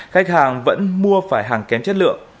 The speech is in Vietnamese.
khách hàng vẫn mua phải hàng kém chất lượng